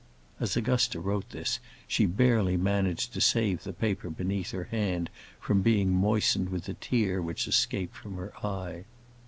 [As Augusta wrote this, she barely managed to save the paper beneath her hand from being moistened with the tear which escaped from her eye.